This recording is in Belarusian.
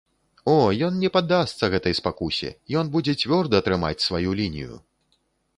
О, ён не паддасца гэтай спакусе, ён будзе цвёрда трымаць сваю лінію!